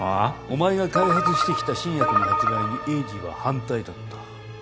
お前が開発してきた新薬の発売に栄治は反対だった。